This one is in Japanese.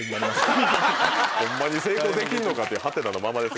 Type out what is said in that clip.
ホンマに成功できんのかっていうハテナのままですが。